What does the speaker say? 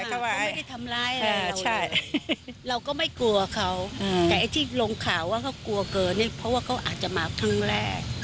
เขาไม่ได้ทำร้ายอะไรเราก็ไม่กลัวเขาแต่ไอ้ที่ลงข่าวว่าเขากลัวเกินเนี่ยเพราะว่าเขาอาจจะมาครั้งแรก